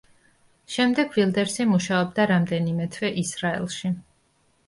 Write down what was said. შემდეგ ვილდერსი მუშაობდა რამდენიმე თვე ისრაელში.